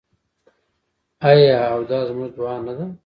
آیا او دا زموږ دعا نه ده؟